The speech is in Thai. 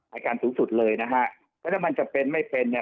อายการสูงสุดเลยนะฮะเพราะถ้ามันจะเป็นไม่เป็นเนี่ย